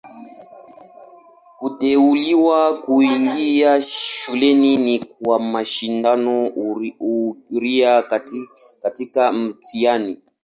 Kuteuliwa kuingia shuleni ni kwa mashindano huria katika mtihani.